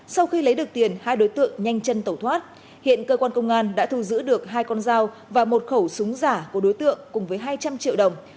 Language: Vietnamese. sau khi lấy được tiền hai đối tượng nhanh chân tẩu thoát hiện cơ quan công an đã thu giữ được hai con dao và một khẩu súng giả của đối tượng cùng với hai trăm linh triệu đồng